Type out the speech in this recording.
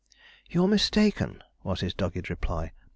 "You are mistaken," was his dogged reply.